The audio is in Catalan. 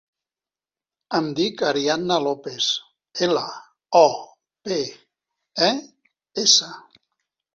Em dic Ariadna Lopes: ela, o, pe, e, essa.